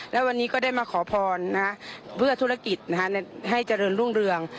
และวันนี้ก็ได้มาขอพรเพื่อธุรกิจให้เจริญรุ่งเรือง